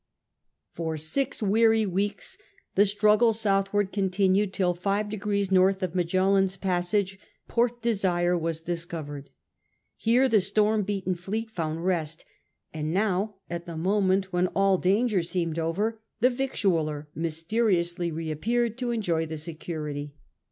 For six weary weeks the struggle southward continued till five degrees north of Magellan's passage Port Desire was discovered. Here the storm beaten fleet found rest; and now at the moment when all danger seemed over, the victualler mysteriously reappeared to enjoy the security.